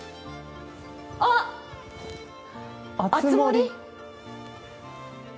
あっ、熱盛？